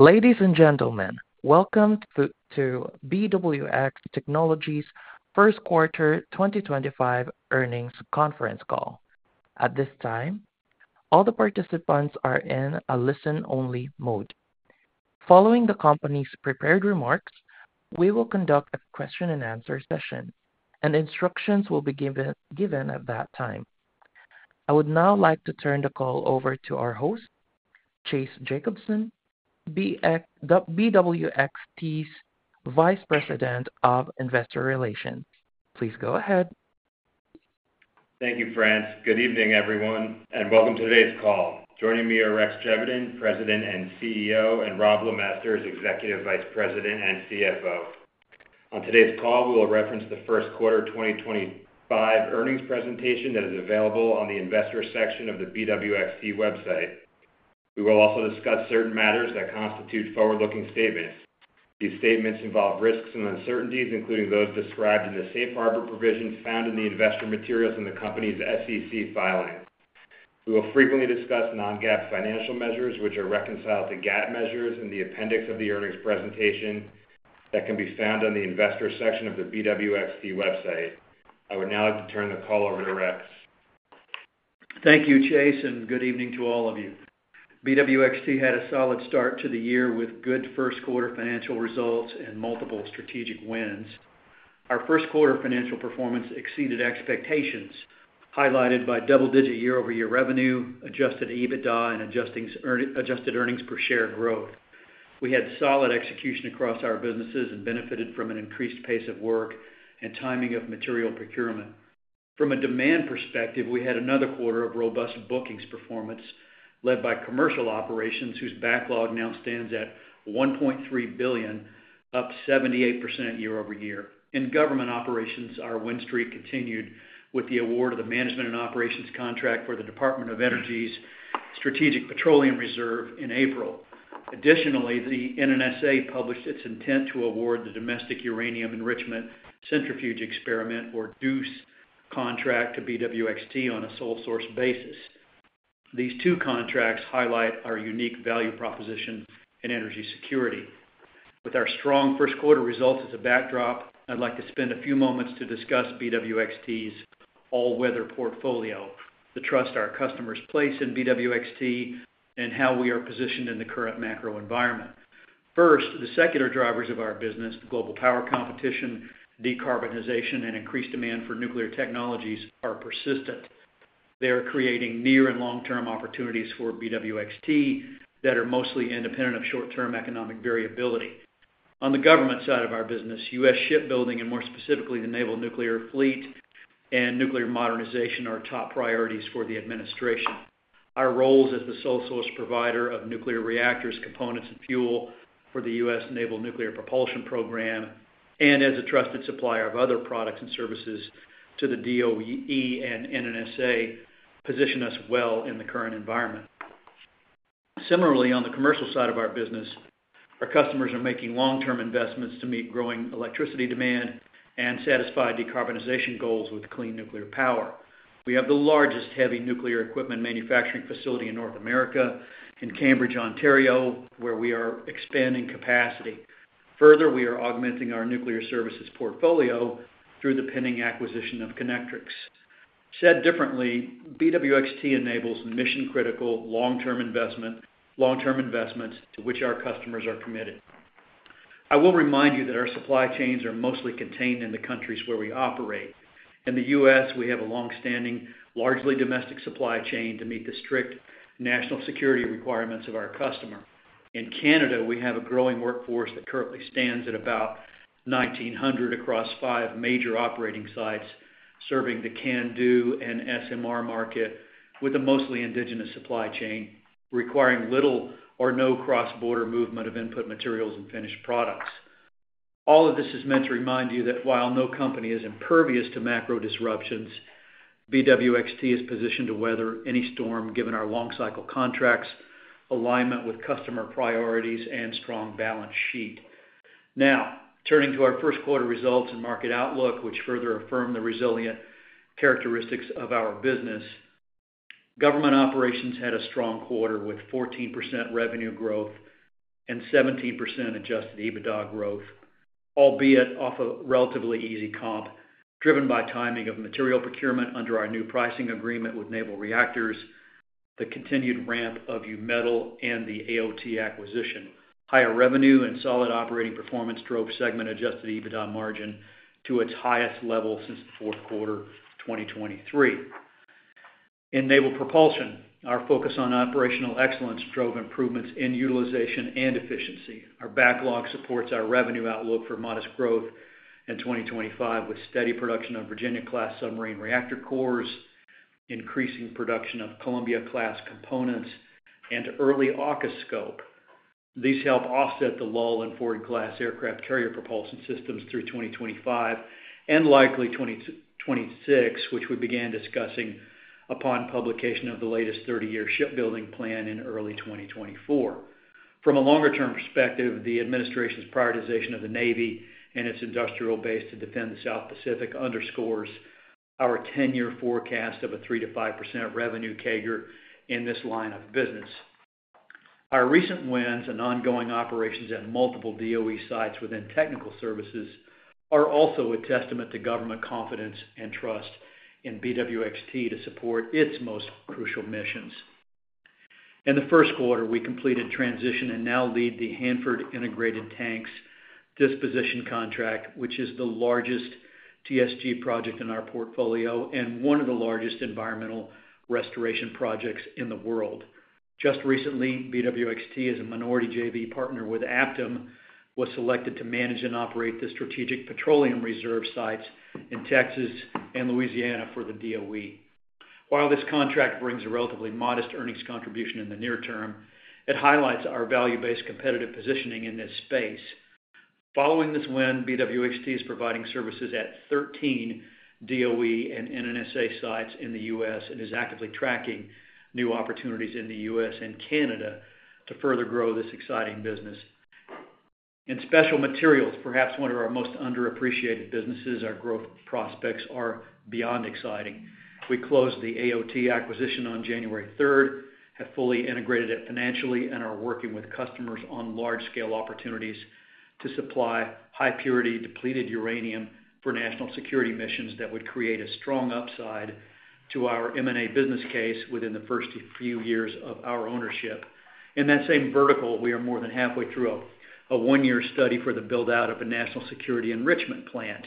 Ladies and gentlemen, welcome to BWX Technologies' First Quarter 2025 Earnings Conference Call. At this time, all the participants are in a listen-only mode. Following the company's prepared remarks, we will conduct a question-and-answer session, and instructions will be given at that time. I would now like to turn the call over to our host, Chase Jacobson, BWXT Vice President of Investor Relations. Please go ahead. Thank you, France. Good evening, everyone, and welcome to today's call. Joining me are Rex Geveden, President and CEO, and Robb LeMasters, Executive Vice President and CFO. On today's call, we will reference the First Quarter 2025 earnings presentation that is available on the Investor section of the BWXT website. We will also discuss certain matters that constitute forward-looking statements. These statements involve risks and uncertainties, including those described in the Safe Harbor provisions found in the investor materials and the company's SEC filing. We will frequently discuss non-GAAP financial measures, which are reconciled to GAAP measures in the appendix of the earnings presentation that can be found on the Investor section of the BWXT website. I would now like to turn the call over to Rex. Thank you, Chase, and good evening to all of you. BWXT had a solid start to the year with good first-quarter financial results and multiple strategic wins. Our first-quarter financial performance exceeded expectations, highlighted by double-digit year-over-year revenue, adjusted EBITDA, and adjusted earnings per share growth. We had solid execution across our businesses and benefited from an increased pace of work and timing of material procurement. From a demand perspective, we had another quarter of robust bookings performance led by commercial operations, whose backlog now stands at $1.3 billion, up 78% year-over-year. In government operations, our win streak continued with the award of the Management and Operations Contract for the Department of Energy's Strategic Petroleum Reserve in April. Additionally, the NNSA published its intent to award the Domestic Uranium Enrichment Centrifuge Experiment, or DUECE, contract to BWXT on a sole-source basis. These two contracts highlight our unique value proposition in energy security. With our strong first-quarter results as a backdrop, I'd like to spend a few moments to discuss BWXT's all-weather portfolio, the trust our customers place in BWXT, and how we are positioned in the current macro environment. First, the secular drivers of our business, global power competition, decarbonization, and increased demand for nuclear technologies, are persistent. They are creating near and long-term opportunities for BWXT that are mostly independent of short-term economic variability. On the government side of our business, U.S. shipbuilding, and more specifically the Naval Nuclear Fleet and nuclear modernization, are top priorities for the administration. Our roles as the sole-source provider of nuclear reactors, components, and fuel for the U.S. Naval Nuclear Propulsion Program, and as a trusted supplier of other products and services to the DOE and NNSA, position us well in the current environment. Similarly, on the commercial side of our business, our customers are making long-term investments to meet growing electricity demand and satisfy decarbonization goals with clean nuclear power. We have the largest heavy nuclear equipment manufacturing facility in North America, in Cambridge, Ontario, where we are expanding capacity. Further, we are augmenting our nuclear services portfolio through the pending acquisition of Kinectrics. Said differently, BWXT enables mission-critical long-term investments to which our customers are committed. I will remind you that our supply chains are mostly contained in the countries where we operate. In the U.S., we have a long-standing, largely domestic supply chain to meet the strict national security requirements of our customer. In Canada, we have a growing workforce that currently stands at about 1,900 across five major operating sites, serving the CANDU and SMR market, with a mostly indigenous supply chain requiring little or no cross-border movement of input materials and finished products. All of this is meant to remind you that while no company is impervious to macro disruptions, BWXT is positioned to weather any storm, given our long-cycle contracts, alignment with customer priorities, and strong balance sheet. Now, turning to our first-quarter results and market outlook, which further affirm the resilient characteristics of our business, government operations had a strong quarter with 14% revenue growth and 17% adjusted EBITDA growth, albeit off a relatively easy comp, driven by timing of material procurement under our new pricing agreement with Naval Reactors, the continued ramp of U-metal, and the AOT acquisition. Higher revenue and solid operating performance drove segment-adjusted EBITDA margin to its highest level since the fourth quarter of 2023. In Naval Propulsion, our focus on operational excellence drove improvements in utilization and efficiency. Our backlog supports our revenue outlook for modest growth in 2025, with steady production of Virginia-class submarine reactor cores, increasing production of Columbia-class components, and early AUKUS scope. These help offset the lull and forward class aircraft carrier propulsion systems through 2025 and likely 2026, which we began discussing upon publication of the latest 30-year shipbuilding plan in early 2024. From a longer-term perspective, the administration's prioritization of the Navy and its industrial base to defend the South Pacific underscores our 10-year forecast of a 3-5% revenue CAGR in this line of business. Our recent wins and ongoing operations at multiple DOE sites within technical services are also a testament to government confidence and trust in BWXT to support its most crucial missions. In the first quarter, we completed transition and now lead the Hanford Integrated Tank Disposition Contract, which is the largest TSG project in our portfolio and one of the largest environmental restoration projects in the world. Just recently, BWXT, as a minority JV partner with APTIM, was selected to manage and operate the Strategic Petroleum Reserve sites in Texas and Louisiana for the DOE. While this contract brings a relatively modest earnings contribution in the near term, it highlights our value-based competitive positioning in this space. Following this win, BWXT's is providing services at 13 DOE and NNSA sites in the U.S. and is actively tracking new opportunities in the U.S. and Canada to further grow this exciting business. In special materials, perhaps one of our most underappreciated businesses, our growth prospects are beyond exciting. We closed the A.O.T. acquisition on January 3rd, have fully integrated it financially, and are working with customers on large-scale opportunities to supply high-purity depleted uranium for national security missions that would create a strong upside to our M&A business case within the first few years of our ownership. In that same vertical, we are more than halfway through a one-year study for the build-out of a national security enrichment plant.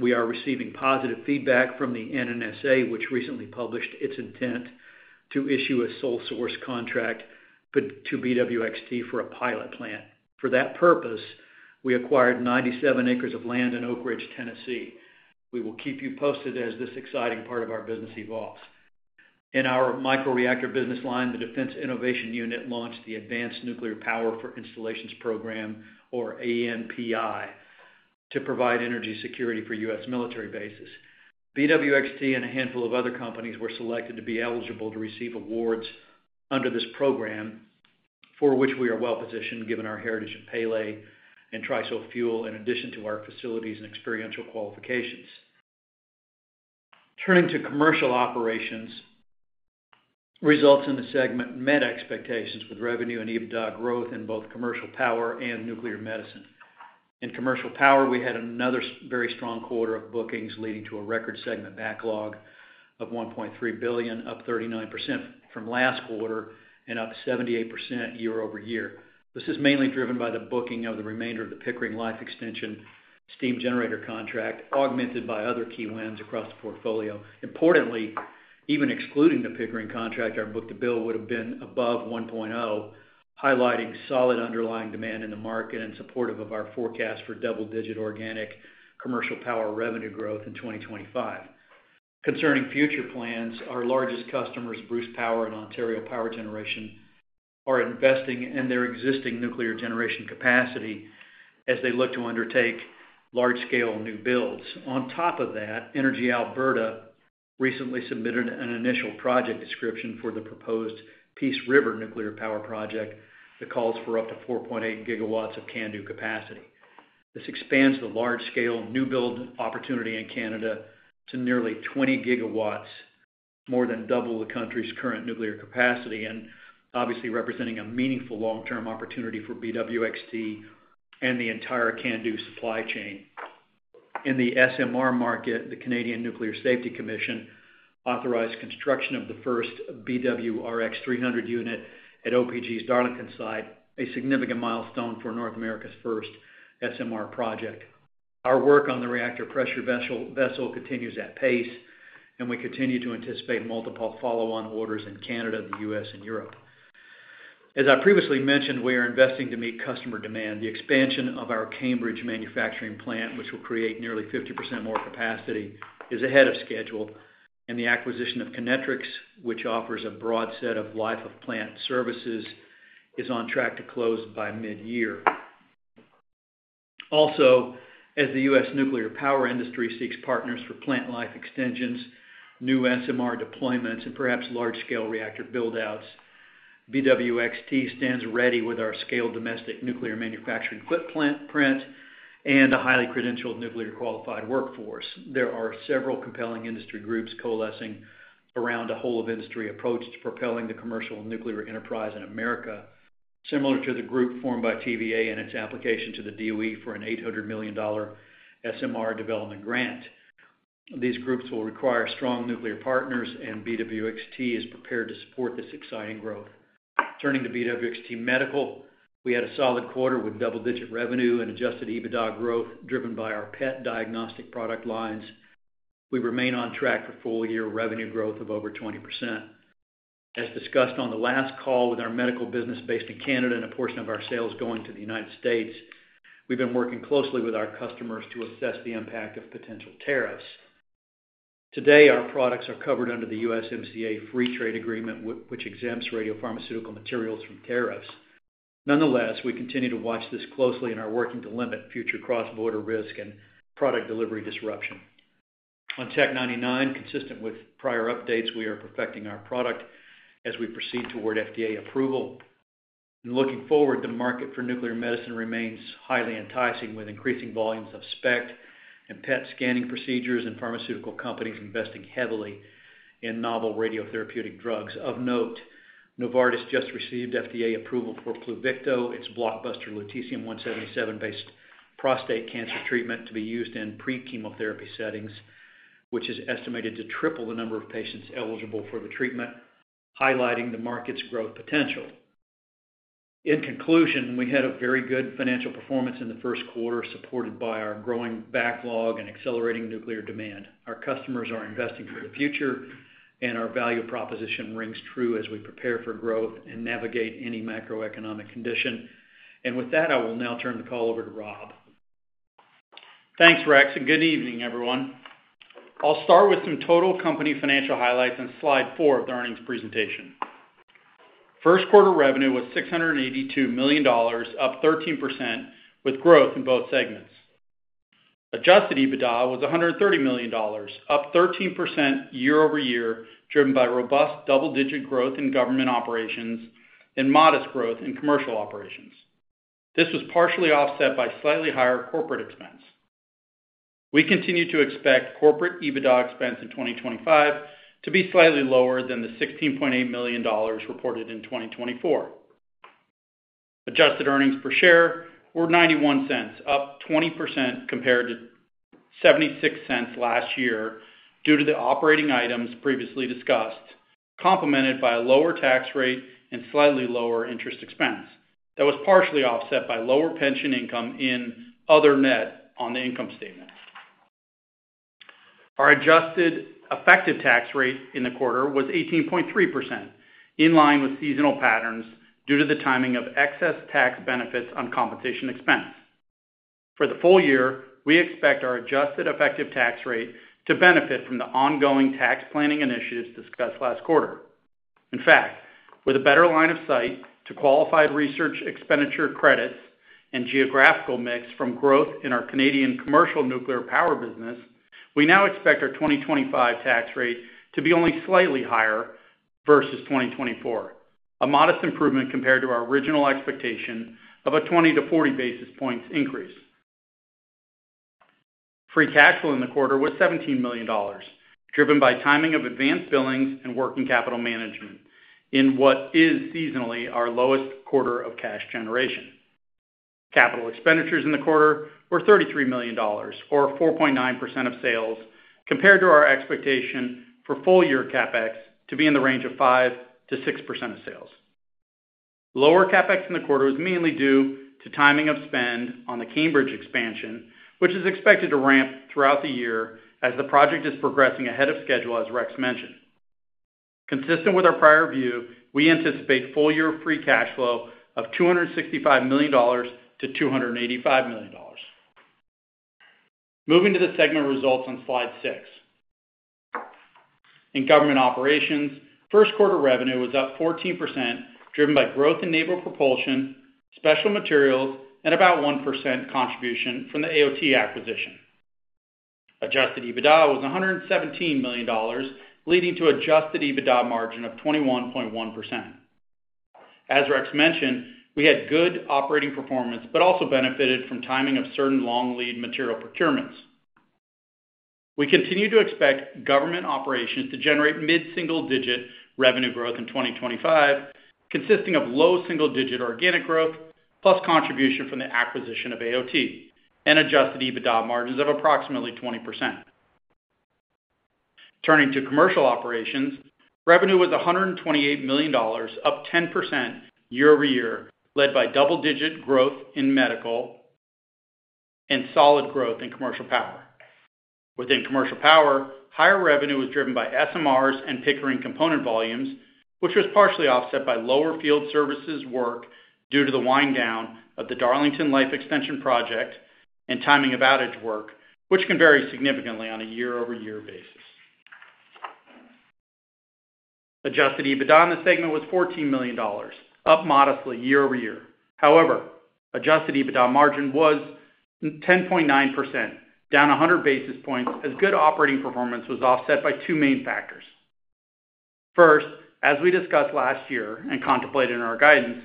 We are receiving positive feedback from the NNSA, which recently published its intent to issue a sole-source contract to BWXT for a pilot plant. For that purpose, we acquired 97 acres of land in Oak Ridge, Tennessee. We will keep you posted as this exciting part of our business evolves. In our microreactor business line, the Defense Innovation Unit launched the Advanced Nuclear Power for Installations Program, or ANPI, to provide energy security for U.S. military bases. BWXT and a handful of other companies were selected to be eligible to receive awards under this program, for which we are well-positioned given our heritage of Paylay and TRISO fuel, in addition to our facilities and experiential qualifications. Turning to commercial operations, results in the segment met expectations with revenue and EBITDA growth in both commercial power and nuclear medicine. In commercial power, we had another very strong quarter of bookings, leading to a record segment backlog of $1.3 billion, up 39% from last quarter and up 78% year-over-year. This is mainly driven by the booking of the remainder of the Pickering Life Extension steam generator contract, augmented by other key wins across the portfolio. Importantly, even excluding the Pickering contract, our book-to-bill would have been above 1.0, highlighting solid underlying demand in the market and supportive of our forecast for double-digit organic commercial power revenue growth in 2025. Concerning future plans, our largest customers, Bruce Power and Ontario Power Generation, are investing in their existing nuclear generation capacity as they look to undertake large-scale new builds. On top of that, Energy Alberta recently submitted an initial project description for the proposed Peace River nuclear power project that calls for up to 4.8 gigawatts of CANDU capacity. This expands the large-scale new build opportunity in Canada to nearly 20 gigawatts, more than double the country's current nuclear capacity, and obviously representing a meaningful long-term opportunity for BWXT and the entire CANDU supply chain. In the SMR market, the Canadian Nuclear Safety Commission authorized construction of the first BWRX-300 unit at OPG's Darlington site, a significant milestone for North America's first SMR project. Our work on the reactor pressure vessel continues at pace, and we continue to anticipate multiple follow-on orders in Canada, the U.S., and Europe. As I previously mentioned, we are investing to meet customer demand. The expansion of our Cambridge manufacturing plant, which will create nearly 50% more capacity, is ahead of schedule, and the acquisition of Kinectrics, which offers a broad set of life-of-plant services, is on track to close by mid-year. Also, as the U.S. nuclear power industry seeks partners for plant-life extensions, new SMR deployments, and perhaps large-scale reactor buildouts, BWXT stands ready with our scaled domestic nuclear manufacturing footprint and a highly credentialed nuclear-qualified workforce. There are several compelling industry groups coalescing around a whole-of-industry approach to propelling the commercial nuclear enterprise in America, similar to the group formed by TVA in its application to the DOE for an $800 million SMR development grant. These groups will require strong nuclear partners, and BWXT is prepared to support this exciting growth. Turning to BWXT Medical, we had a solid quarter with double-digit revenue and adjusted EBITDA growth driven by our PET diagnostic product lines. We remain on track for full-year revenue growth of over 20%. As discussed on the last call, with our medical business based in Canada and a portion of our sales going to the United States, we've been working closely with our customers to assess the impact of potential tariffs. Today, our products are covered under the USMCA Free Trade Agreement, which exempts radiopharmaceutical materials from tariffs. Nonetheless, we continue to watch this closely and are working to limit future cross-border risk and product delivery disruption. On Tech-99, consistent with prior updates, we are perfecting our product as we proceed toward FDA approval. Looking forward, the market for nuclear medicine remains highly enticing, with increasing volumes of SPECT and PET scanning procedures and pharmaceutical companies investing heavily in novel radiotherapeutic drugs. Of note, Novartis just received FDA approval for Pluvicto, its blockbuster lutetium-177-based prostate cancer treatment to be used in pre-chemotherapy settings, which is estimated to triple the number of patients eligible for the treatment, highlighting the market's growth potential. In conclusion, we had a very good financial performance in the first quarter, supported by our growing backlog and accelerating nuclear demand. Our customers are investing for the future, and our value proposition rings true as we prepare for growth and navigate any macroeconomic condition. With that, I will now turn the call over to Robb. Thanks, Rex, and good evening, everyone. I'll start with some total company financial highlights on slide four of the earnings presentation. First quarter revenue was $682 million, up 13%, with growth in both segments. Adjusted EBITDA was $130 million, up 13% year-over-year, driven by robust double-digit growth in government operations and modest growth in commercial operations. This was partially offset by slightly higher corporate expense. We continue to expect corporate EBITDA expense in 2025 to be slightly lower than the $16.8 million reported in 2024. Adjusted earnings per share were $0.91, up 20% compared to $0.76 last year due to the operating items previously discussed, complemented by a lower tax rate and slightly lower interest expense. That was partially offset by lower pension income in other net on the income statement. Our adjusted effective tax rate in the quarter was 18.3%, in line with seasonal patterns due to the timing of excess tax benefits on compensation expense. For the full year, we expect our adjusted effective tax rate to benefit from the ongoing tax planning initiatives discussed last quarter. In fact, with a better line of sight to qualified research expenditure credits and geographical mix from growth in our Canadian commercial nuclear power business, we now expect our 2025 tax rate to be only slightly higher versus 2024, a modest improvement compared to our original expectation of a 20-40 basis points increase. Free cash flow in the quarter was $17 million, driven by timing of advanced billings and working capital management in what is seasonally our lowest quarter of cash generation. Capital expenditures in the quarter were $33 million, or 4.9% of sales, compared to our expectation for full-year CapEx to be in the range of 5-6% of sales. Lower CapEx in the quarter was mainly due to timing of spend on the Cambridge expansion, which is expected to ramp throughout the year as the project is progressing ahead of schedule, as Rex mentioned. Consistent with our prior view, we anticipate full-year free cash flow of $265 million to $285 million. Moving to the segment results on slide six. In government operations, first quarter revenue was up 14%, driven by growth in naval propulsion, special materials, and about 1% contribution from the A.O.T. acquisition. Adjusted EBITDA was $117 million, leading to an adjusted EBITDA margin of 21.1%. As Rex mentioned, we had good operating performance but also benefited from timing of certain long-lead material procurements. We continue to expect government operations to generate mid-single-digit revenue growth in 2025, consisting of low single-digit organic growth plus contribution from the acquisition of AOT and adjusted EBITDA margins of approximately 20%. Turning to commercial operations, revenue was $128 million, up 10% year-over-year, led by double-digit growth in medical and solid growth in commercial power. Within commercial power, higher revenue was driven by SMRs and Pickering component volumes, which was partially offset by lower field services work due to the wind down of the Darlington Life Extension project and timing of outage work, which can vary significantly on a year-over-year basis. Adjusted EBITDA in the segment was $14 million, up modestly year-over-year. However, adjusted EBITDA margin was 10.9%, down 100 basis points, as good operating performance was offset by two main factors. First, as we discussed last year and contemplated in our guidance,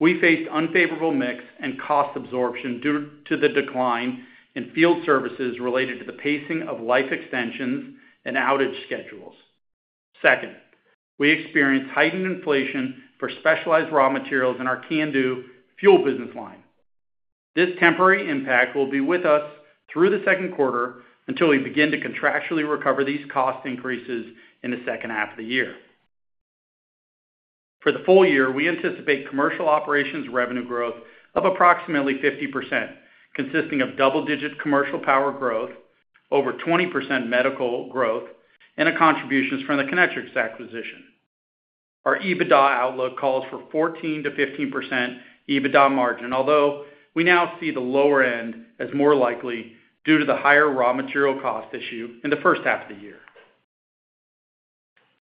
we faced unfavorable mix and cost absorption due to the decline in field services related to the pacing of life extensions and outage schedules. Second, we experienced heightened inflation for specialized raw materials in our CANDU fuel business line. This temporary impact will be with us through the second quarter until we begin to contractually recover these cost increases in the second half of the year. For the full year, we anticipate commercial operations revenue growth of approximately 50%, consisting of double-digit commercial power growth, over 20% medical growth, and contributions from the Kinectrics acquisition. Our EBITDA outlook calls for 14%-15% EBITDA margin, although we now see the lower end as more likely due to the higher raw material cost issue in the first half of the year.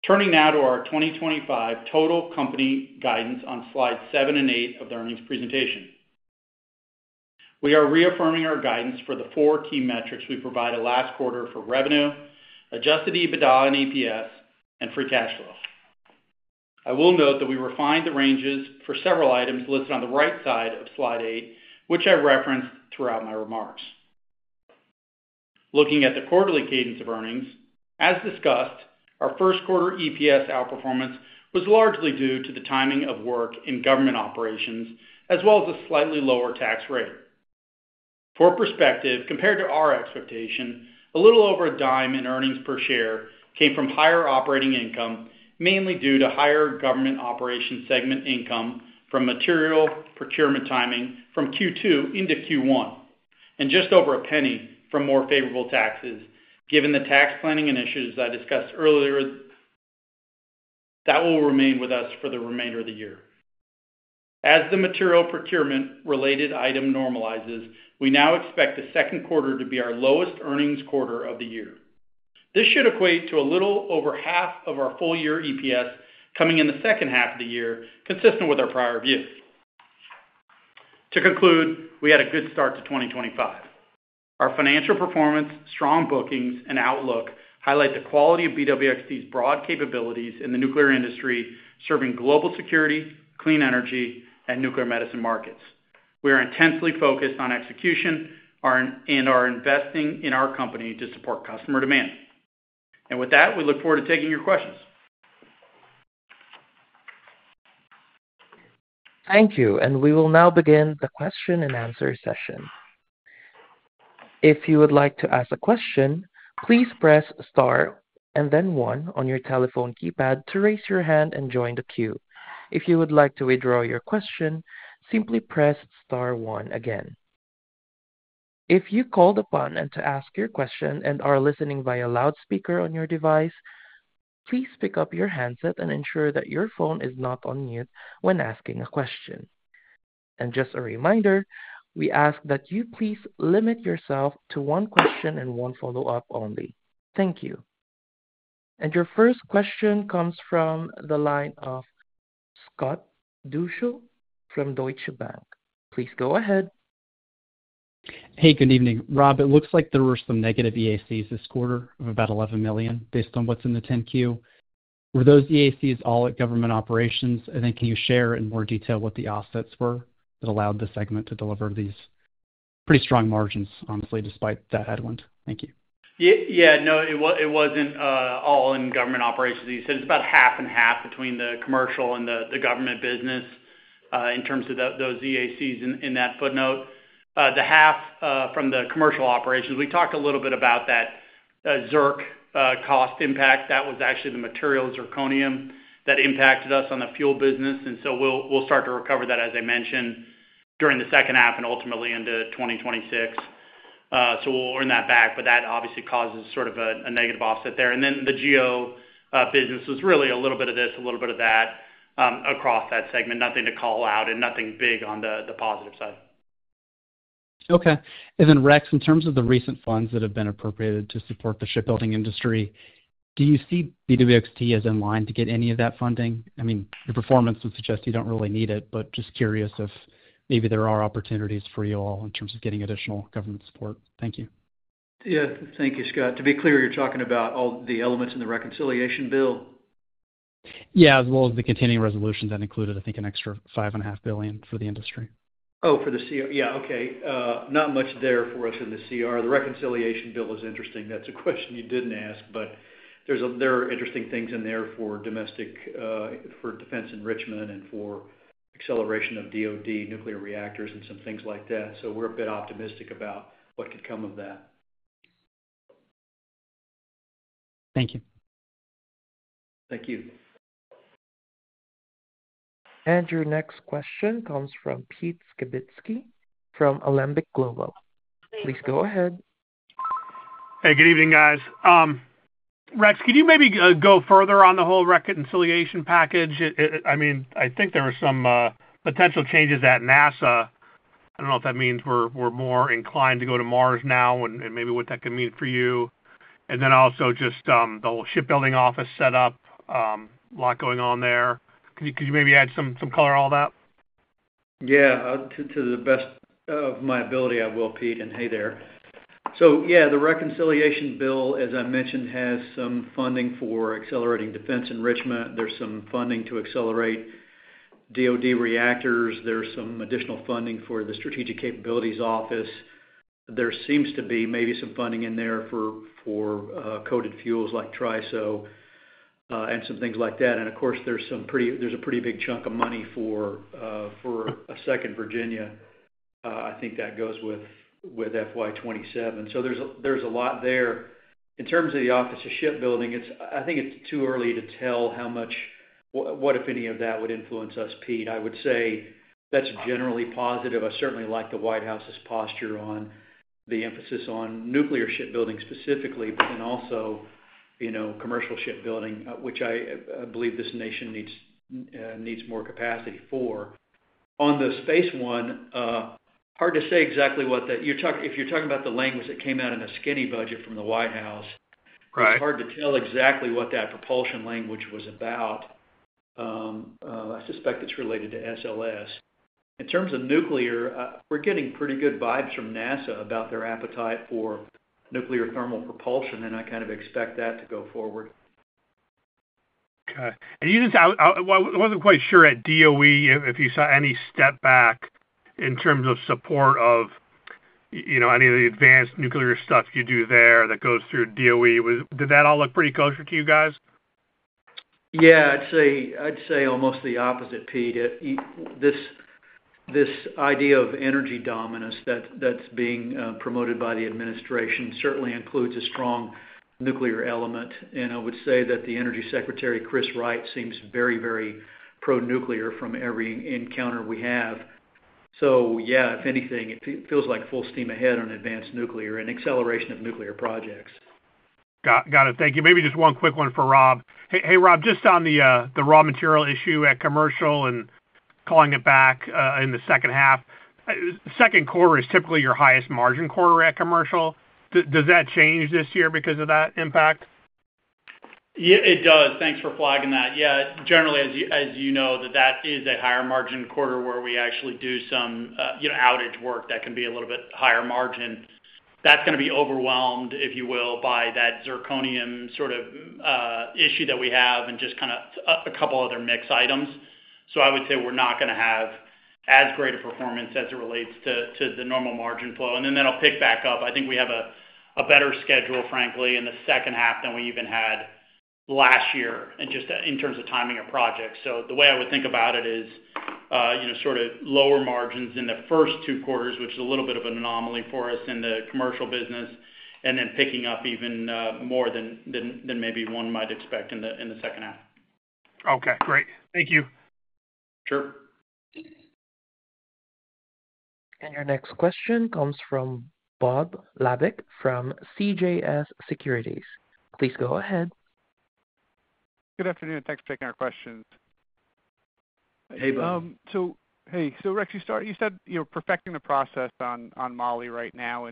Turning now to our 2025 total company guidance on slides seven and eight of the earnings presentation. We are reaffirming our guidance for the four key metrics we provided last quarter for revenue, adjusted EBITDA and EPS, and free cash flow. I will note that we refined the ranges for several items listed on the right side of slide eight, which I referenced throughout my remarks. Looking at the quarterly cadence of earnings, as discussed, our first quarter EPS outperformance was largely due to the timing of work in government operations, as well as a slightly lower tax rate. For perspective, compared to our expectation, a little over a dime in earnings per share came from higher operating income, mainly due to higher government operations segment income from material procurement timing from Q2 into Q1, and just over a penny from more favorable taxes, given the tax planning initiatives I discussed earlier that will remain with us for the remainder of the year. As the material procurement-related item normalizes, we now expect the second quarter to be our lowest earnings quarter of the year. This should equate to a little over half of our full-year EPS coming in the second half of the year, consistent with our prior view. To conclude, we had a good start to 2024. Our financial performance, strong bookings, and outlook highlight the quality of BWXT broad capabilities in the nuclear industry, serving global security, clean energy, and nuclear medicine markets. We are intensely focused on execution and are investing in our company to support customer demand. With that, we look forward to taking your questions. Thank you. We will now begin the question and answer session. If you would like to ask a question, please press star and then one on your telephone keypad to raise your hand and join the queue. If you would like to withdraw your question, simply press star one again. If you are called upon to ask your question and are listening via loudspeaker on your device, please pick up your handset and ensure that your phone is not on mute when asking a question. Just a reminder, we ask that you please limit yourself to one question and one follow-up only. Thank you. Your first question comes fromthe line of Scott Deuschle from Deutsche Bank. Please go ahead. Hey, good evening. Robb, it looks like there were some negative EACs this quarter of about $11 million, based on what's in the 10Q. Were those EACs all at government operations? Can you share in more detail what the offsets were that allowed the segment to deliver these pretty strong margins, honestly, despite that headwind? Thank you. Yeah, no, it wasn't all in government operations. You said it's about half and half between the commercial and the government business in terms of those EACs in that footnote. The half from the commercial operations, we talked a little bit about that zirconium cost impact. That was actually the materials zirconium that impacted us on the fuel business. We'll start to recover that, as I mentioned, during the second half and ultimately into 2026. We'll earn that back. That obviously causes sort of a negative offset there. The geo business was really a little bit of this, a little bit of that across that segment, nothing to call out and nothing big on the positive side. Okay. Rex, in terms of the recent funds that have been appropriated to support the shipbuilding industry, do you see BWXT as in line to get any of that funding? I mean, your performance would suggest you do not really need it, but just curious if maybe there are opportunities for you all in terms of getting additional government support? Thank you. Yeah, thank you, Scott. To be clear, you are talking about all the elements in the reconciliation bill? Yeah, as well as the continuing resolutions that included, I think, an extra $5.5 billion for the industry. Oh, for the CR? Yeah, okay. Not much there for us in the CR. The reconciliation bill is interesting. That's a question you didn't ask, but there are interesting things in there for defense enrichment and for acceleration of DOD nuclear reactors and some things like that. We're a bit optimistic about what could come of that. Thank you. Thank you. Your next question comes from Pete Skibitski from Alembic Global. Please go ahead. Hey, good evening, guys. Rex, could you maybe go further on the whole reconciliation package? I mean, I think there were some potential changes at NASA. I don't know if that means we're more inclined to go to Mars now and maybe what that could mean for you. Also, just the whole shipbuilding office setup, a lot going on there. Could you maybe add some color on all that? Yeah, to the best of my ability, I will, Pete. Hey there. Yeah, the reconciliation bill, as I mentioned, has some funding for accelerating defense enrichment. There's some funding to accelerate DOD reactors. There's some additional funding for the strategic capabilities office. There seems to be maybe some funding in there for coated fuels like TRISO and some things like that. Of course, there's a pretty big chunk of money for a second Virginia, I think, that goes with FY2027. There's a lot there. In terms of the office of shipbuilding, I think it's too early to tell what, if any, of that would influence us, Pete. I would say that's generally positive. I certainly like the White House's posture on the emphasis on nuclear shipbuilding specifically, but then also commercial shipbuilding, which I believe this nation needs more capacity for. On the space one, hard to say exactly what that—if you're talking about the language that came out in a skinny budget from the White House, it's hard to tell exactly what that propulsion language was about. I suspect it's related to SLS. In terms of nuclear, we're getting pretty good vibes from NASA about their appetite for nuclear thermal propulsion, and I kind of expect that to go forward. Okay. You didn't say—I wasn't quite sure at DOE if you saw any step back in terms of support of any of the advanced nuclear stuff you do there that goes through DOE. Did that all look pretty kosher to you guys? Yeah, I'd say almost the opposite, Pete. This idea of energy dominance that's being promoted by the administration certainly includes a strong nuclear element. I would say that the energy secretary, Chris Wright, seems very, very pro-nuclear from every encounter we have. Yeah, if anything, it feels like full steam ahead on advanced nuclear and acceleration of nuclear projects. Got it. Thank you. Maybe just one quick one for Robb. Hey, Robb, just on the raw material issue at commercial and calling it back in the second half, second quarter is typically your highest margin quarter at commercial. Does that change this year because of that impact? Yeah, it does. Thanks for flagging that. Yeah, generally, as you know, that is a higher margin quarter where we actually do some outage work that can be a little bit higher margin. That's going to be overwhelmed, if you will, by that zirconium sort of issue that we have and just kind of a couple other mixed items. I would say we're not going to have as great a performance as it relates to the normal margin flow. That'll pick back up. I think we have a better schedule, frankly, in the second half than we even had last year in terms of timing of projects. The way I would think about it is sort of lower margins in the first two quarters, which is a little bit of an anomaly for us in the commercial business, and then picking up even more than maybe one might expect in the second half. Okay. Great. Thank you. Sure. Your next question comes from Bob Labick from CJS Securities. Please go ahead. Good afternoon. Thanks for taking our questions. Hey, Bob. Hey, so Rex, you said you're perfecting the process on Moly right now.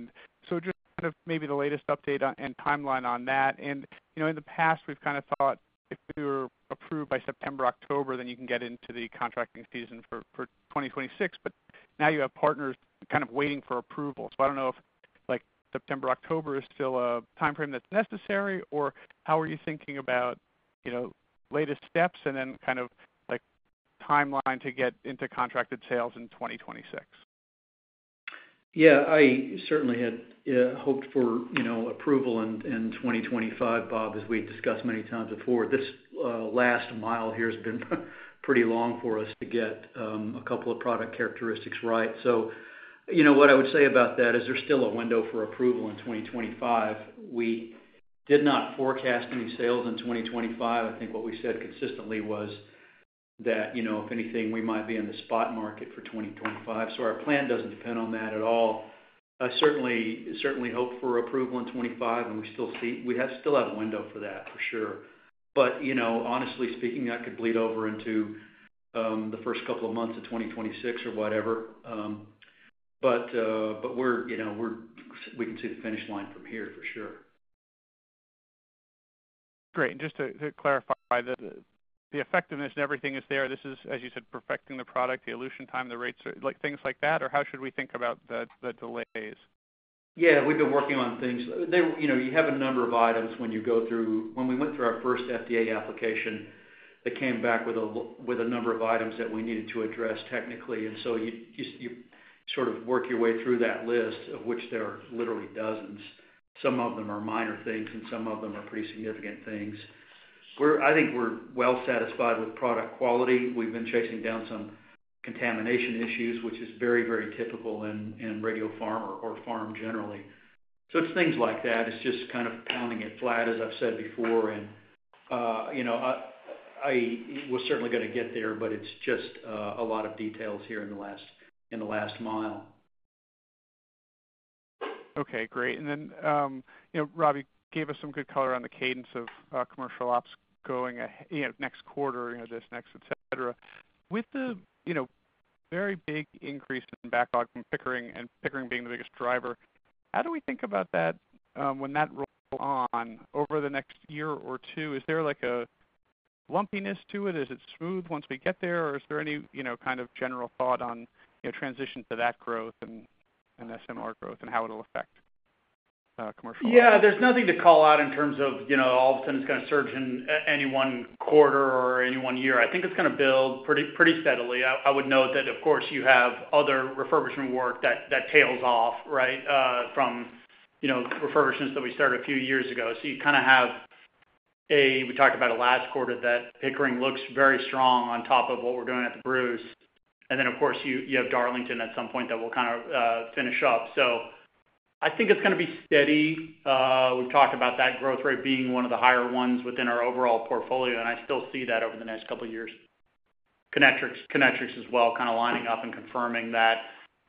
Just kind of maybe the latest update and timeline on that. In the past, we've kind of thought if we were approved by September, October, then you can get into the contracting season for 2026. Now you have partners kind of waiting for approval. I don't know if September, October is still a timeframe that's necessary, or how are you thinking about latest steps and then kind of timeline to get into contracted sales in 2026? I certainly had hoped for approval in 2025, Bob, as we've discussed many times before. This last mile here has been pretty long for us to get a couple of product characteristics right. What I would say about that is there's still a window for approval in 2025. We did not forecast any sales in 2025. I think what we said consistently was that, if anything, we might be in the spot market for 2025. Our plan does not depend on that at all. I certainly hope for approval in 2025, and we still have a window for that, for sure. Honestly speaking, that could bleed over into the first couple of months of 2026 or whatever. We can see the finish line from here, for sure. Great. Just to clarify, the effectiveness and everything is there. This is, as you said, perfecting the product, the elution time, the rates, things like that? How should we think about the delays? Yeah, we have been working on things. You have a number of items when you go through—when we went through our first FDA application, it came back with a number of items that we needed to address technically. You sort of work your way through that list, of which there are literally dozens. Some of them are minor things, and some of them are pretty significant things. I think we're well satisfied with product quality. We've been chasing down some contamination issues, which is very, very typical in radio pharma or pharma generally. It is things like that. It is just kind of pounding it flat, as I've said before. We're certainly going to get there, but it is just a lot of details here in the last mile. Okay. Great. Robb, you gave us some good color on the cadence of commercial ops going next quarter, this next, etc. With the very big increase in backlog from Pickering and Pickering being the biggest driver, how do we think about that when that rolls on over the next year or two? Is there a lumpiness to it? Is it smooth once we get there? Or is there any kind of general thought on transition to that growth and SMR growth and how it'll affect commercial? Yeah, there's nothing to call out in terms of all of a sudden it's going to surge in any one quarter or any one year. I think it's going to build pretty steadily. I would note that, of course, you have other refurbishment work that tails off, right, from refurbishments that we started a few years ago. You kind of have a—we talked about it last quarter—that Pickering looks very strong on top of what we're doing at the Bruce. Of course, you have Darlington at some point that will kind of finish up. I think it's going to be steady. We've talked about that growth rate being one of the higher ones within our overall portfolio, and I still see that over the next couple of years. Kinectrics as well, kind of lining up and confirming that,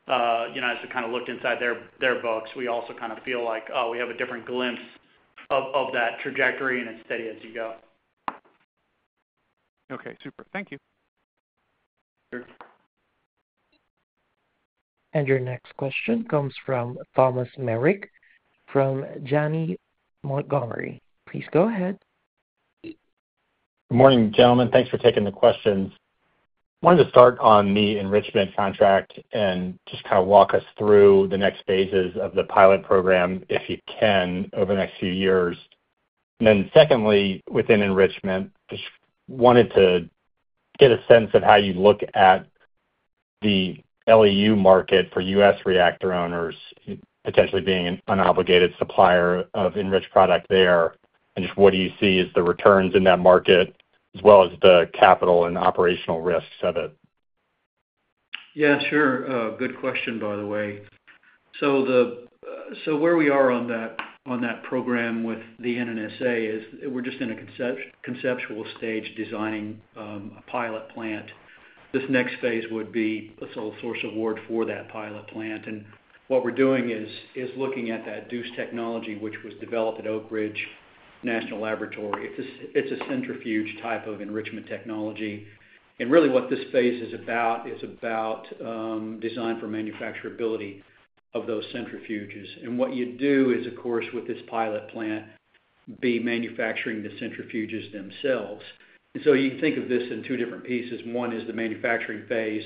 as we kind of looked inside their books, we also kind of feel like we have a different glimpse of that trajectory, and it's steady as you go. Okay. Super. Thank you. Sure. Your next question comes from Thomas Simcik from Janney Montgomery. Please go ahead. Good morning, gentlemen. Thanks for taking the questions. I wanted to start on the enrichment contract and just kind of walk us through the next phases of the pilot program, if you can, over the next few years. Then secondly, within enrichment, just wanted to get a sense of how you look at the LEU market for US reactor owners, potentially being an unobligated supplier of enriched product there. Just what do you see as the returns in that market, as well as the capital and operational risks of it? Yeah, sure. Good question, by the way. Where we are on that program with the NNSA is we're just in a conceptual stage designing a pilot plant. This next phase would be a sole source award for that pilot plant. What we're doing is looking at that DUCE technology, which was developed at Oak Ridge National Laboratory. It's a centrifuge type of enrichment technology. Really what this phase is about is about design for manufacturability of those centrifuges. What you do is, of course, with this pilot plant, be manufacturing the centrifuges themselves. You can think of this in two different pieces. One is the manufacturing phase.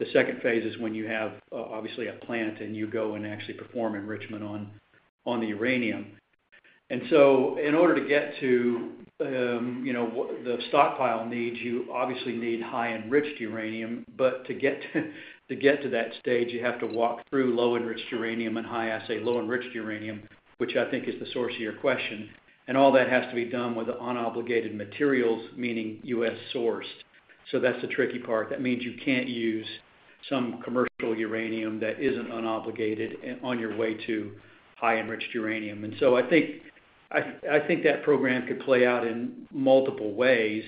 The second phase is when you have, obviously, a plant and you go and actually perform enrichment on the uranium. In order to get to the stockpile needs, you obviously need high-enriched uranium. To get to that stage, you have to walk through low-enriched uranium and high-assay, low-enriched uranium, which I think is the source of your question. All that has to be done with unobligated materials, meaning US-sourced. That is the tricky part. That means you cannot use some commercial uranium that is not unobligated on your way to high-enriched uranium. I think that program could play out in multiple ways.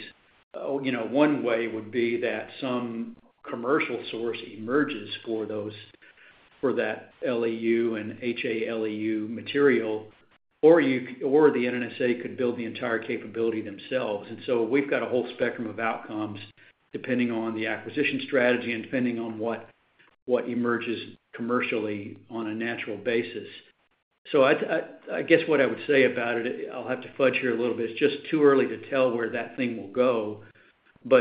One way would be that some commercial source emerges for that LEU and HALEU material, or the NNSA could build the entire capability themselves. We have a whole spectrum of outcomes depending on the acquisition strategy and depending on what emerges commercially on a natural basis. I guess what I would say about it, I'll have to fudge here a little bit. It's just too early to tell where that thing will go.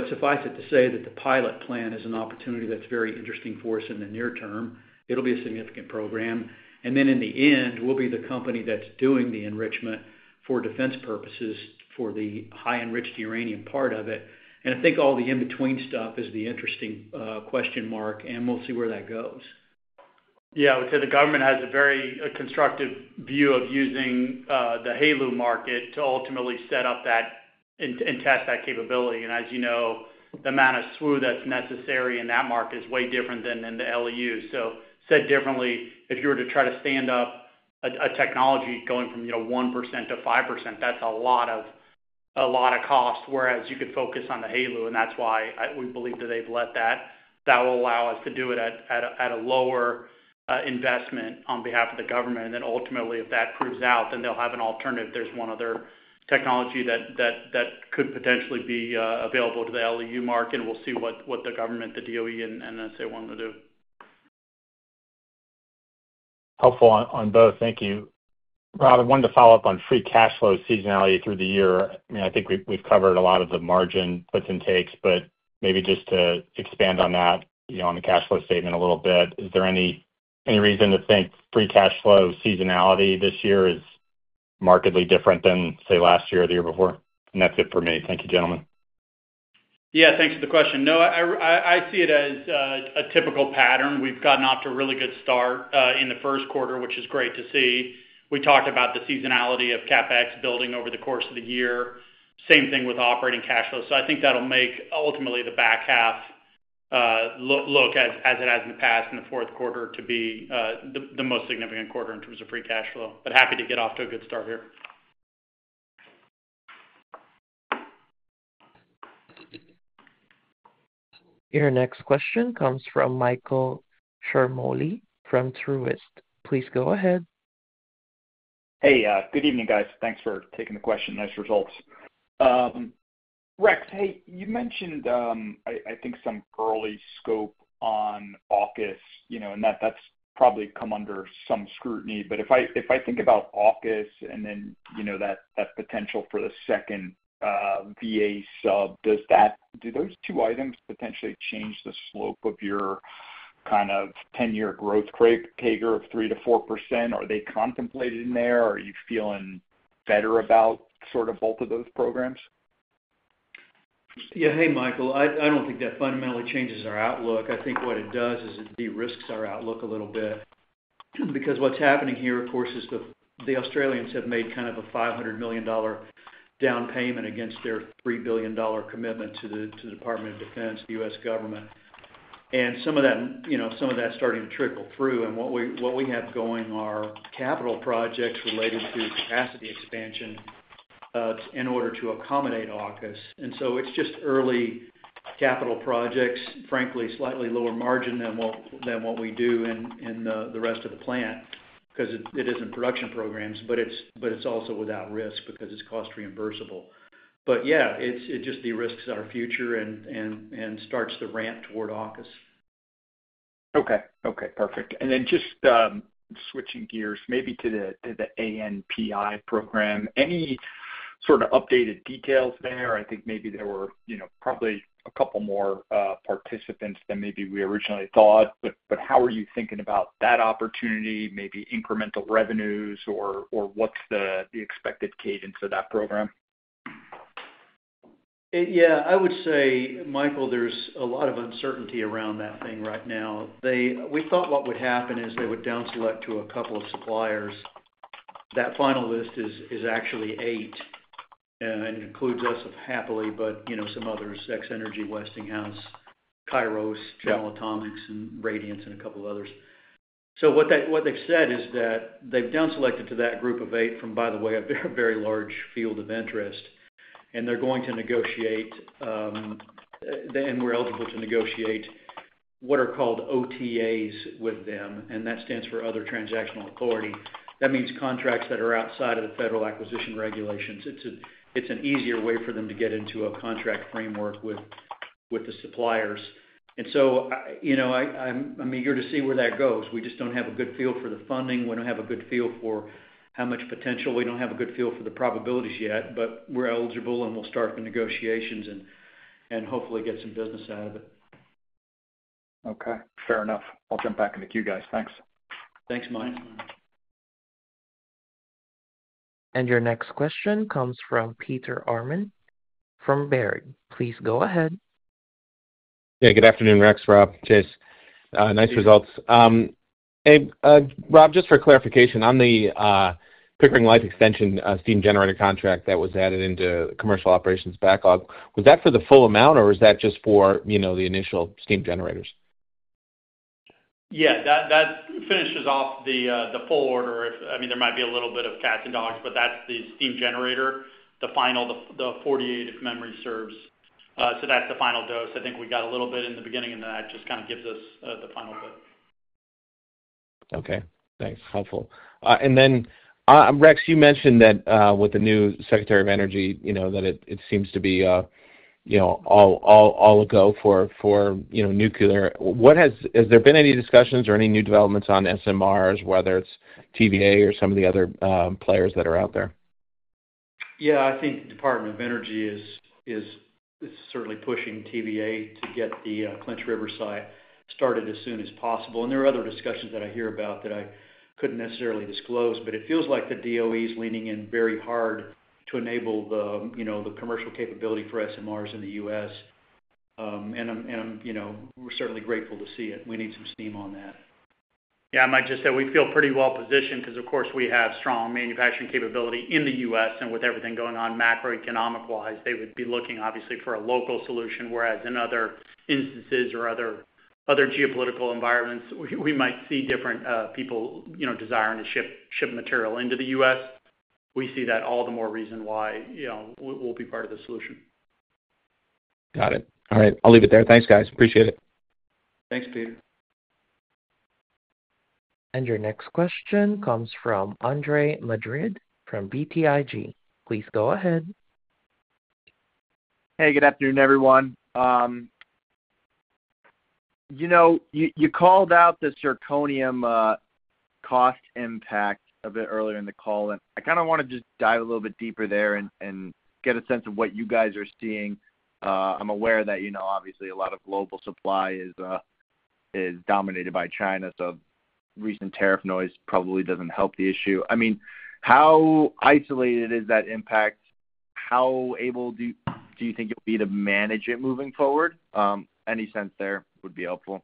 Suffice it to say that the pilot plan is an opportunity that's very interesting for us in the near term. It'll be a significant program. In the end, we'll be the company that's doing the enrichment for defense purposes for the high-enriched uranium part of it. I think all the in-between stuff is the interesting question mark, and we'll see where that goes. Yeah, I would say the government has a very constructive view of using the HALEU market to ultimately set up and test that capability. As you know, the amount of SWU that's necessary in that market is way different than in the LEU. Said differently, if you were to try to stand up a technology going from 1% to 5%, that's a lot of cost, whereas you could focus on the HALEU. That is why we believe that they've let that. That will allow us to do it at a lower investment on behalf of the government. Ultimately, if that proves out, then they'll have an alternative. There's one other technology that could potentially be available to the LEU market, and we'll see what the government, the DOE, and NNSA want to do. Helpful on both. Thank you. Robb, I wanted to follow up on free cash flow seasonality through the year. I mean, I think we've covered a lot of the margin puts and takes, but maybe just to expand on that on the cash flow statement a little bit, is there any reason to think free cash flow seasonality this year is markedly different than, say, last year or the year before? That is it for me. Thank you, gentlemen. Yeah, thanks for the question. No, I see it as a typical pattern. We've gotten off to a really good start in the first quarter, which is great to see. We talked about the seasonality of CapEx building over the course of the year. Same thing with operating cash flow. I think that'll make ultimately the back half look as it has in the past in the fourth quarter to be the most significant quarter in terms of free cash flow. Happy to get off to a good start here. Your next question comes from Michael Ciarmoli from Truist. Please go ahead. Hey, good evening, guys. Thanks for taking the question. Nice results. Rex, hey, you mentioned, I think, some early scope on AUKUS, and that's probably come under some scrutiny. If I think about AUKUS and then that potential for the second VA sub, do those two items potentially change the slope of your kind of 10-year growth CAGR of 3-4%? Are they contemplated in there? Are you feeling better about sort of both of those programs? Yeah, hey, Michael, I don't think that fundamentally changes our outlook. I think what it does is it de-risks our outlook a little bit. Because what's happening here, of course, is the Australians have made kind of a $500 million down payment against their $3 billion commitment to the Department of Defense, the U.S. government. And some of that's starting to trickle through. What we have going are capital projects related to capacity expansion in order to accommodate AUKUS. It is just early capital projects, frankly, slightly lower margin than what we do in the rest of the plant because it isn't production programs, but it's also without risk because it's cost-reimbursable. Yeah, it just de-risks our future and starts to ramp toward AUKUS. Okay. Okay. Perfect. And then just switching gears, maybe to the ANPI program, any sort of updated details there? I think maybe there were probably a couple more participants than maybe we originally thought. How are you thinking about that opportunity, maybe incremental revenues, or what's the expected cadence of that program? Yeah, I would say, Michael, there's a lot of uncertainty around that thing right now. We thought what would happen is they would down select to a couple of suppliers. That final list is actually eight. It includes us happily, but some others: X-Energy, Westinghouse, Kairos, General Atomics, and Radiant, and a couple others. What they've said is that they've down selected to that group of eight from, by the way, a very large field of interest. They're going to negotiate, and we're eligible to negotiate what are called OTAs with them. That stands for Other Transactional Authority. That means contracts that are outside of the federal acquisition regulations. It's an easier way for them to get into a contract framework with the suppliers. I'm eager to see where that goes. We just don't have a good feel for the funding. We don't have a good feel for how much potential. We don't have a good feel for the probabilities yet. We're eligible, and we'll start the negotiations and hopefully get some business out of it. Okay. Fair enough. I'll jump back into queue, guys. Thanks. Thanks, Mike. Your next question comes from Peter Arment from Baird. Please go ahead. Yeah, good afternoon, Rex, Robb, Chase. Nice results. Hey, Robb, just for clarification, on the Pickering Life Extension steam generator contract that was added into commercial operations backlog, was that for the full amount, or was that just for the initial steam generators? Yeah, that finishes off the full order. I mean, there might be a little bit of cats and dogs, but that's the steam generator, the final, the 48 if memory serves. So that's the final dose. I think we got a little bit in the beginning, and that just kind of gives us the final bit. Okay. Thanks. Helpful. Then, Rex, you mentioned that with the new Secretary of Energy, that it seems to be all a go for nuclear. Has there been any discussions or any new developments on SMRs, whether it's TVA or some of the other players that are out there? Yeah, I think the Department of Energy is certainly pushing TVA to get the Clinch River site started as soon as possible. There are other discussions that I hear about that I could not necessarily disclose, but it feels like the DOE is leaning in very hard to enable the commercial capability for SMRs in the U.S. We are certainly grateful to see it. We need some steam on that. Yeah, I might just say we feel pretty well positioned because, of course, we have strong manufacturing capability in the U.S. With everything going on macroeconomic-wise, they would be looking, obviously, for a local solution. Whereas in other instances or other geopolitical environments, we might see different people desiring to ship material into the U.S. We see that as all the more reason why we will be part of the solution. Got it. All right. I will leave it there. Thanks, guys. Appreciate it. Thanks, Peter. Your next question comes from Andre Madrid from BTIG. Please go ahead. Hey, good afternoon, everyone. You called out the zirconium cost impact a bit earlier in the call. I kind of want to just dive a little bit deeper there and get a sense of what you guys are seeing. I'm aware that, obviously, a lot of global supply is dominated by China, so recent tariff noise probably doesn't help the issue. I mean, how isolated is that impact? How able do you think you'll be to manage it moving forward? Any sense there would be helpful.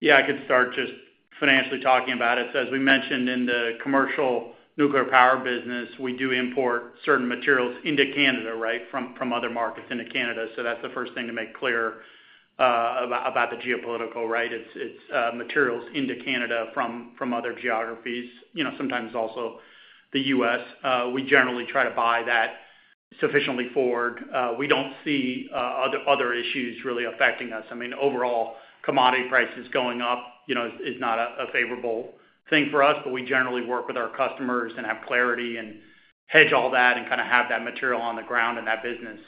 Yeah, I could start just financially talking about it. As we mentioned in the commercial nuclear power business, we do import certain materials into Canada, right, from other markets into Canada. That's the first thing to make clear about the geopolitical, right? It's materials into Canada from other geographies, sometimes also the U.S. We generally try to buy that sufficiently forward. We do not see other issues really affecting us. I mean, overall, commodity prices going up is not a favorable thing for us, but we generally work with our customers and have clarity and hedge all that and kind of have that material on the ground in that business.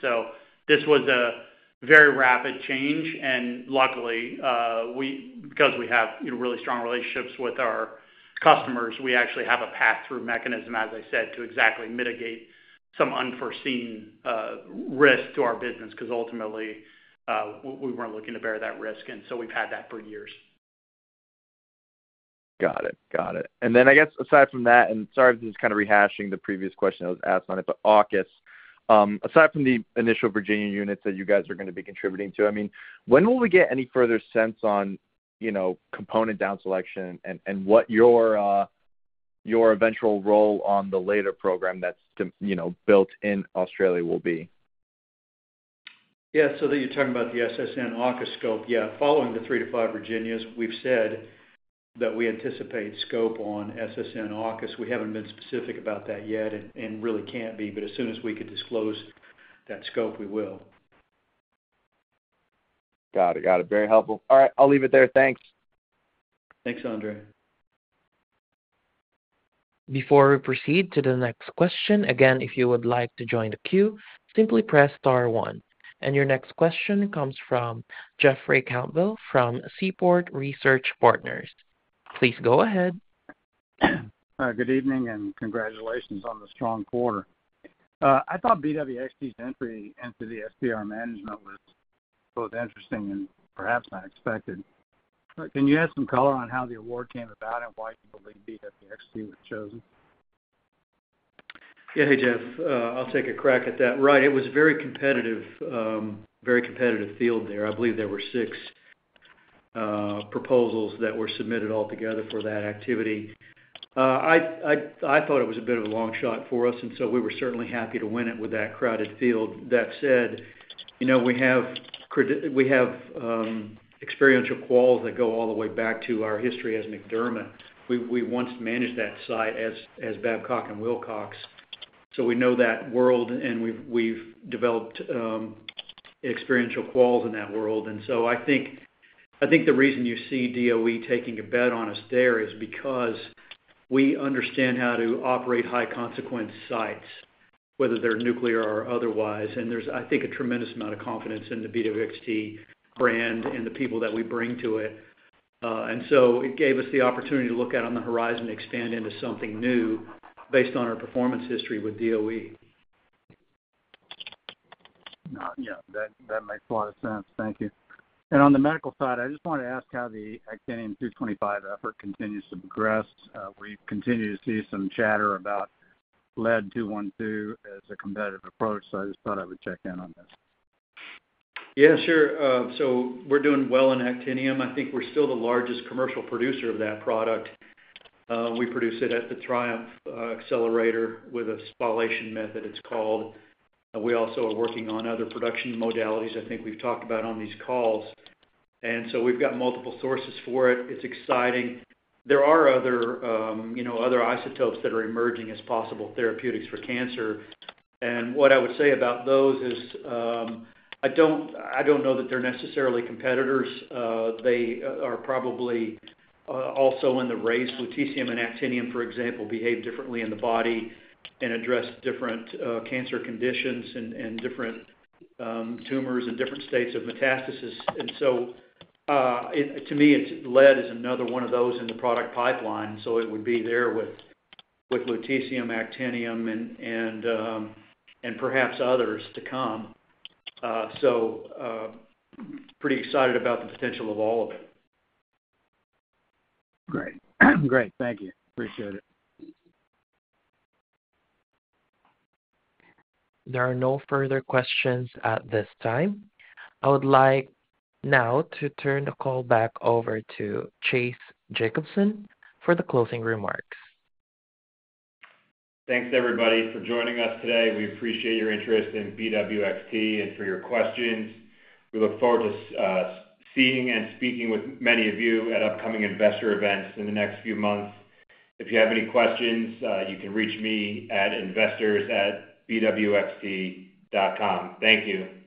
This was a very rapid change. Luckily, because we have really strong relationships with our customers, we actually have a pass-through mechanism, as I said, to exactly mitigate some unforeseen risk to our business because ultimately, we were not looking to bear that risk. We have had that for years. Got it. Got it. I guess aside from that, and sorry if this is kind of rehashing the previous question I was asked on it, but AUKUS, aside from the initial Virginia units that you guys are going to be contributing to, I mean, when will we get any further sense on component down selection and what your eventual role on the later program that's built in Australia will be? Yeah, so that you're talking about the SSN AUKUS scope, yeah. Following the three to five Virginias, we've said that we anticipate scope on SSN AUKUS. We haven't been specific about that yet and really can't be. As soon as we could disclose that scope, we will. Got it. Got it. Very helpful. All right. I'll leave it there. Thanks. Thanks, Andre. Before we proceed to the next question, again, if you would like to join the queue, simply press star one. Your next question comes from Jeffrey Campbell from Seaport Research Partners. Please go ahead. Good evening and congratulations on the strong quarter. I thought BWXT's entry into the SPR management was both interesting and perhaps unexpected. Can you add some color on how the award came about and why you believe BWXT was chosen? Yeah, hey, Jeff. I'll take a crack at that. Right. It was a very competitive field there. I believe there were six proposals that were submitted altogether for that activity. I thought it was a bit of a long shot for us, and we were certainly happy to win it with that crowded field. That said, we have experiential quals that go all the way back to our history as McDermott. We once managed that site as Babcock and Wilcox. We know that world, and we have developed experiential quals in that world. I think the reason you see DOE taking a bet on us there is because we understand how to operate high-consequence sites, whether they are nuclear or otherwise. There is, I think, a tremendous amount of confidence in the BWXT brand and the people that we bring to it. It gave us the opportunity to look out on the horizon to expand into something new based on our performance history with DOE. That makes a lot of sense. Thank you. On the medical side, I just wanted to ask how the actinium-225 effort continues to progress. We continue to see some chatter about lead-212 as a competitive approach, so I just thought I would check in on this? Yeah, sure. We're doing well in actinium. I think we're still the largest commercial producer of that product. We produce it at the TRIUMF accelerator with a spallation method, it's called. We also are working on other production modalities I think we've talked about on these calls. We've got multiple sources for it. It's exciting. There are other isotopes that are emerging as possible therapeutics for cancer. What I would say about those is I don't know that they're necessarily competitors. They are probably also in the race. Lutetium and actinium, for example, behave differently in the body and address different cancer conditions and different tumors and different states of metastasis. To me, lead is another one of those in the product pipeline. It would be there with lutetium, actinium, and perhaps others to come. Pretty excited about the potential of all of it. Great. Great. Thank you. Appreciate it. There are no further questions at this time. I would like now to turn the call back over to Chase Jacobson for the closing remarks. Thanks, everybody, for joining us today. We appreciate your interest in BWXT and for your questions. We look forward to seeing and speaking with many of you at upcoming investor events in the next few months. If you have any questions, you can reach me at investors@bwxt.com. Thank you.